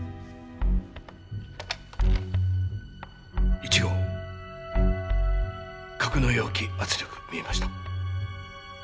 １号格納容器圧力見えました。